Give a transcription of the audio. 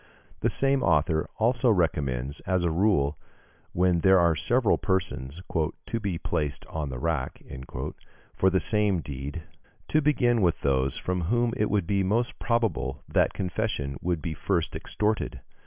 The same author also recommends, as a rule, when there are several persons "to be placed on the rack" for the same deed, to begin with those from whom it would be most probable that confession would be first extorted.